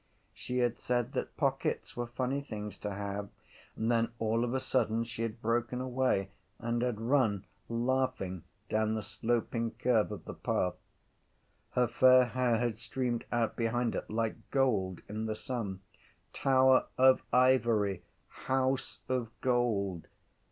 She had said that pockets were funny things to have: and then all of a sudden she had broken away and had run laughing down the sloping curve of the path. Her fair hair had streamed out behind her like gold in the sun. _Tower of Ivory. House of Gold.